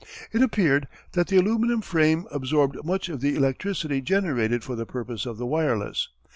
It appeared that the aluminum frame absorbed much of the electricity generated for the purpose of the wireless.